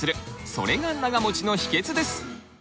それが長もちの秘けつです！